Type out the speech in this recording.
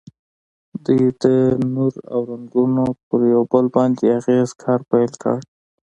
دوی د نور او رنګونو پر یو بل باندې اغیزې کار پیل کړ.